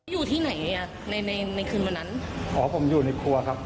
อยู่ที่ไหนอ่ะในในคืนวันนั้นอ๋อผมอยู่ในครัวครับ